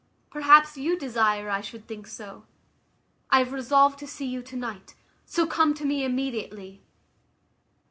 Perhaps you desire I should think so. I have resolved to see you to night; so come to me immediately.